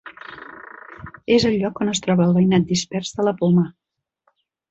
És el lloc on es troba el veïnat dispers de la Poma.